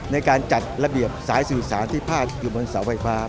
ในการจัดระเบียบสายสื่อสารที่พาดอยู่บนเสาไฟฟ้า